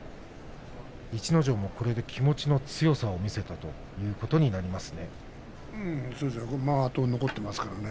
逸ノ城も、これで気持ちの強さを見せたということになりますね。